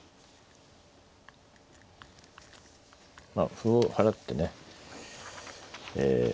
まあ歩を払ってねえ